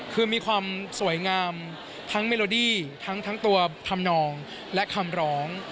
คือมีความสวยงามทั้งเมโลดี้ทั้งตัวทำนองและคำร้อง